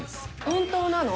本当なの？